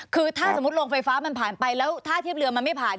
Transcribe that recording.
คือถ้าสมมุติโรงไฟฟ้ามันผ่านไปแล้วถ้าเทียบเรือมันไม่ผ่าน